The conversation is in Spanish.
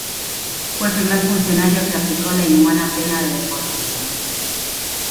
Fue el primer funcionario que aplicó la inhumana pena de deportación.